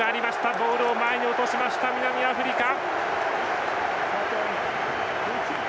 ボールを前に落としました南アフリカ。